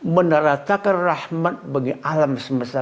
meneratakan rahmat bagi alam semesta